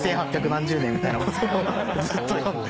何十年みたいなことをずっと読んで。